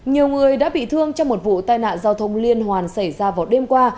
nhiều người đã bị thương trong một vụ tai nạn giao thông liên hoàn xảy ra vào đêm qua